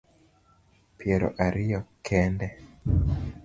Piero ariyo kende